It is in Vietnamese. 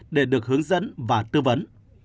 để được hướng dẫn và tư vấn